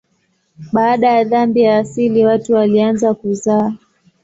Baada ya dhambi ya asili watu walianza kuzaa.